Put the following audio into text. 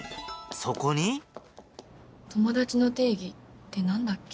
そこに友達の定義って何だっけ？